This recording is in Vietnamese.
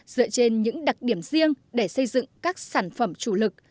dựa trên những đặc điểm riêng để xây dựng các sản phẩm chủ lực